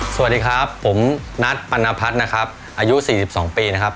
สวัสดีครับผมนัทปัณภัฏนะครับอายุสี่สิบสองปีนะครับ